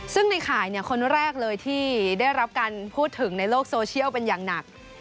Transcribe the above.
ซึ่งในข่ายคนแรกเลยที่ได้รับการพูดถึงในโลกโซเชียลเป็นอย่างหนัก